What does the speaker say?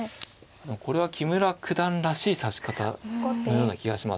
これは木村九段らしい指し方のような気がします。